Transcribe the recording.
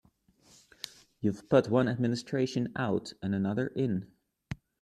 You've put one administration out and another in.